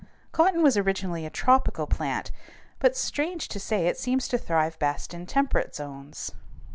Cotton was originally a tropical plant, but, strange to say, it seems to thrive best in temperate zones.